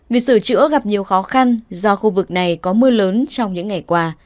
việc sửa chữa gặp nhiều khó khăn do khu vực này có mưa lớn trong những ngày qua